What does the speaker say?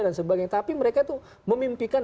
dan sebagainya tapi mereka tuh memimpikan